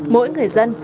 mỗi người dân